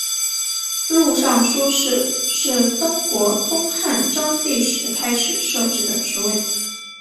录尚书事是中国东汉章帝时开始设置的职位。